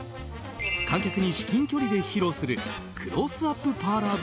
観客に至近距離で披露するクロースアップパーラー